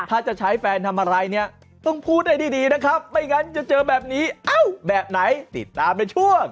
ถ้าจะใช้แฟนทำอะไรเนี่ยต้องพูดให้ดีนะครับไม่งั้นจะเจอแบบนี้เอ้าแบบไหนติดตามในช่วง